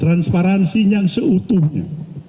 transparansi yang seutuhnya